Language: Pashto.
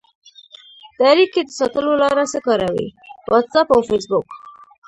د اړیکې د ساتلو لاره څه کاروئ؟ واټساپ او فیسبوک